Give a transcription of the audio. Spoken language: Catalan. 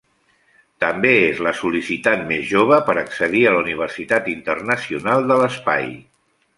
També és la sol·licitant més jove per accedir a la Universitat Internacional de l'Espai.